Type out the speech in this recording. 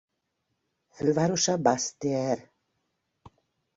Fővárosa Basse-Terre.